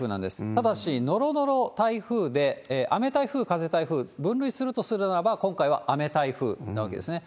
ただし、のろのろ台風で、雨台風、風台風、分類するとするならば、今回は雨台風なわけですね。